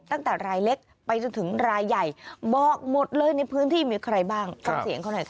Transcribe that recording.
ตั้งแต่รายเล็กไปจนถึงรายใหญ่บอกหมดเลยในพื้นที่มีใครบ้างฟังเสียงเขาหน่อยค่ะ